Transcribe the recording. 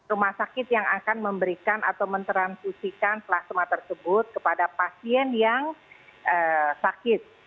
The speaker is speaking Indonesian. rumah sakit yang akan memberikan atau mentransfusikan plasma tersebut kepada pasien yang sakit